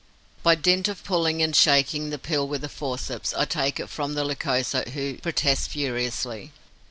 By dint of pulling and shaking the pill with the forceps, I take it from the Lycosa, who protests furiously.